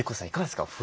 いかがですか。